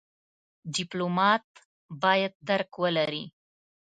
ډيپلومات بايد درک ولري.